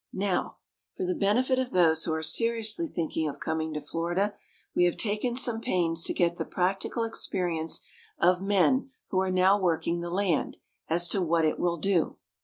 Now, for the benefit of those who are seriously thinking of coming to Florida, we have taken some pains to get the practical experience of men who are now working the land, as to what it will do.